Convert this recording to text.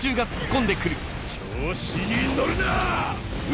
調子に乗るな！